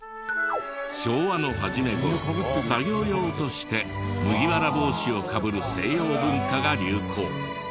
昭和の初め頃作業用として麦わら帽子をかぶる西洋文化が流行。